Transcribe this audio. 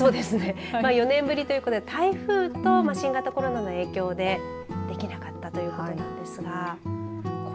４年ぶりということで台風と新型コロナの影響でできなかったということなんですが。